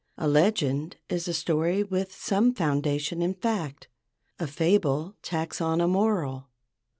A legend is a story with some founda¬ tion in fact. A fable tacks on a moral.